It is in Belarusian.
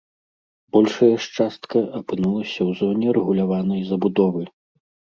Большая ж частка апынулася ў зоне рэгуляванай забудовы.